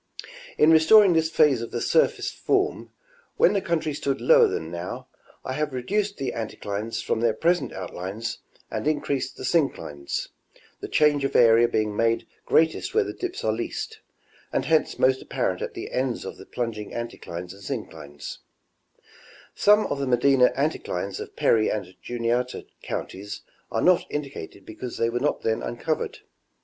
In restoring this phase of the surface form, when the country stood lower than now, I have reduced the anticlines from their present outlines and increased the synclines, the change of area being made The Rivers and Valleys of Pennsylvania. 233 234 National Geographic Magazine. greatest where the dips are least, and hence most apparent at the ends of the plunging anticlines and synclines. Some of the Medina anticlines of Perry and Juniata counties are not indi cated because they were not then uncovered.